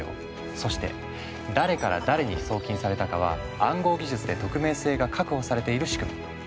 そして誰から誰に送金されたかは暗号技術で匿名性が確保されている仕組み。